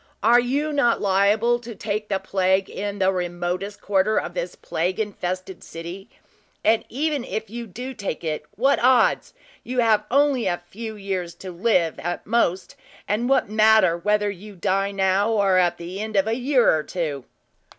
Are you not liable to take the plague in the remotest quarter of this plague infested city? And even if you do take it, what odds? You have only a few years to live, at the most, and what matter whether you die now or at the end of a year or two?"